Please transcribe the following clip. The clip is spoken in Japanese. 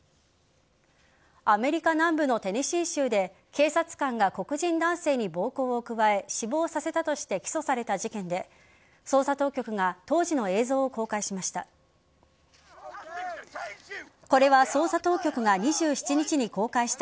アメリカ南部のテネシー州で警察官が黒人男性に暴行を加え死亡させたとして起訴された事件で捜査当局が当時の映像を公開しました。